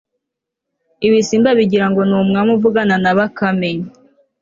ibisimba bigira ngo ni umwami uvugana na bakame